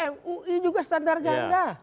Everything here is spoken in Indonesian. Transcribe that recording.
mui juga standar ganda